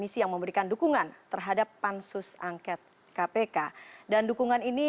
saya pikir ada informasi yang lain